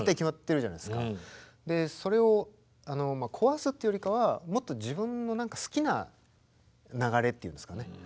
それを壊すっていうよりかはもっと自分の好きな流れっていうんですかね。